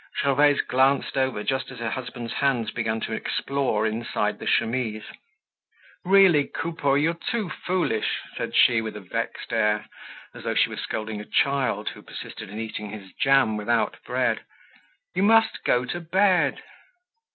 Gervaise glanced over just as her husband's hands began to explore inside the chemise. "Really, Coupeau, you're too foolish," said she, with a vexed air, as though she were scolding a child who persisted in eating his jam without bread. "You must go to bed."